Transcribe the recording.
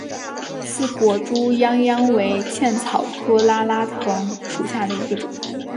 刺果猪殃殃为茜草科拉拉藤属下的一个种。